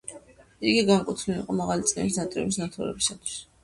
იგი განკუთვნილი იყო მაღალი წნევის ნატრიუმის ნათურებისთვის.